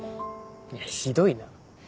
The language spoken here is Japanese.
いやひどいな。